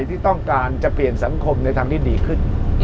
ที่ต้องการจะเปลี่ยนสังคมในทางที่ดีขึ้น